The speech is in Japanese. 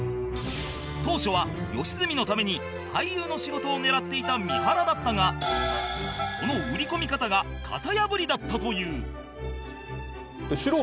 当初は良純のために俳優の仕事を狙っていた三原だったがその売り込み方が型破りだったという